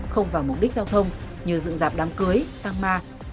không vào mục đích giao thông như dựng dạp đám cưới tan ma